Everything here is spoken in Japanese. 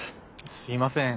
すいません。